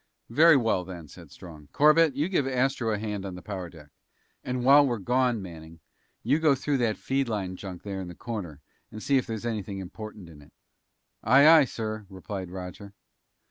"Very well, then," said Strong. "Corbett, you give Astro a hand on the power deck. And while we're gone, Manning, you go through that feed line junk there in the corner and see if there's anything important in it!" "Aye, aye, sir," replied Roger.